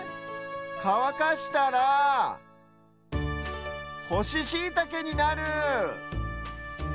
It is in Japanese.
かわかしたらほしシイタケになる！